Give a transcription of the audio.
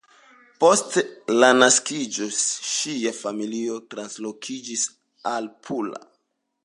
Post la naskiĝo ŝia familio translokiĝis al Pula.